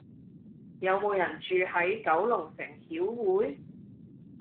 有無人住喺九龍城曉薈？